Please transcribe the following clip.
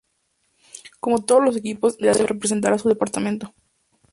Como todos los equipos, nació con la idea de representar a su departamento.